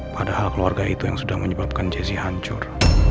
padahal keluarga itu yang sudah menyebabkan jessi hancur